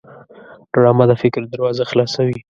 ډرامه د فکر دروازه خلاصوي